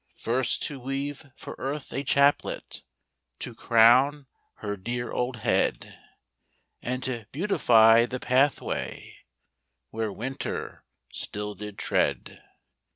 First to weave for Earth a chaplet To crown her dear old head; And to beautify the pathway Where winter still did tread.